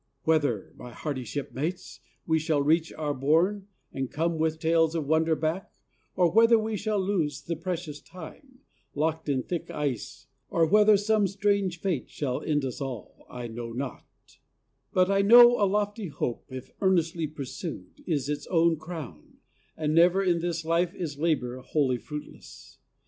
Whether, my hardy shipmates! we shall reach Our bourne, and come with tales of wonder back, Or whether we shall lose the precious time, Locked in thick ice, or whether some strange fate Shall end us all, I know not; but I know A lofty hope, if earnestly pursued, Is its own crown, and never in this life Is labor wholly fruitless.